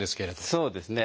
そうですね。